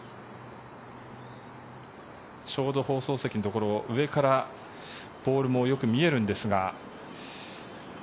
ちょうど放送席のところ上からボールもよく見えるんですが。